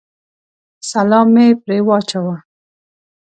سلام مې پرې واچاوه.